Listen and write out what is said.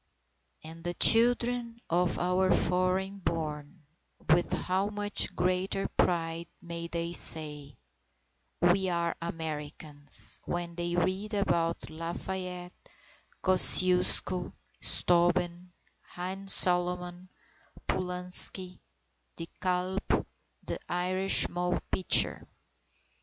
And the children of our foreign born, with how much greater pride may they say, "We are Americans!" when they read about Lafayette, Kosciuszko, Steuben, Haym Salomon, Pulaski, De Kalb, and Irish Moll Pitcher.